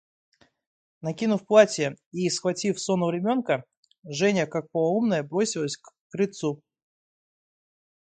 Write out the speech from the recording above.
Накинув платье и схватив сонного ребенка, Женя, как полоумная, бросилась к крыльцу.